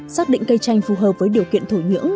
xác định cây chanh phù hợp với điều kiện thổ nhưỡng